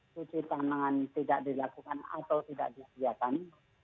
cuci tangan tidak dilakukan atau tidak disediakan